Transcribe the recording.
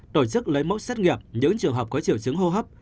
tổ chức lấy mẫu xét nghiệm những trường hợp có triệu chứng hô hấp